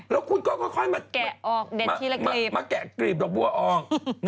แล้วคุณก็ค่อยมาแกะกรีบดอกบัวออก